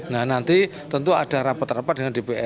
nah nanti tentu ada rapat rapat